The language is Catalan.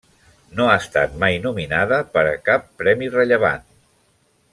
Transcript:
No ha estat mai nominada per a cap premi rellevant.